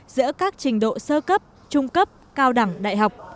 giữa các trình độ sơ cấp trung cấp cao đẳng đại học